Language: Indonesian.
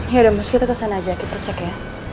ya udah mas kita kesana aja kita cek ya